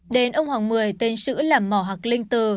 đền ông hoàng mười tên sữ là mỏ hạc linh từ